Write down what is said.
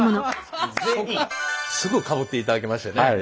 すぐかぶっていただきましてね。